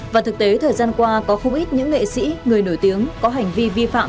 và thực tế thời gian qua có không ít những nghệ sĩ người nổi tiếng có hành vi vi phạm